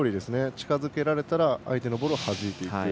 近づけられたら相手のボールをはじいていく。